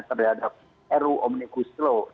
terhadap ruu omnikuslo